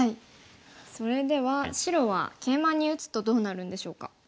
それでは白はケイマに打つとどうなるんでしょうか？